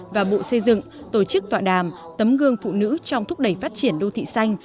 và bộ xây dựng tổ chức tọa đàm tấm gương phụ nữ trong thúc đẩy phát triển đô thị xanh